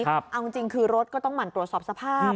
เอาจริงคือรถก็ต้องหมั่นตรวจสอบสภาพ